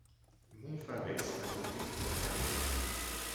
Monfavès a donné Montfavet.